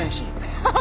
アハハハ。